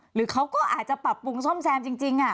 หรือเขาก็อาจจะปรับปรุงซ่อมแซมจริง